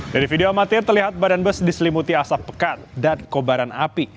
dari video amatir terlihat badan bus diselimuti asap pekat dan kobaran api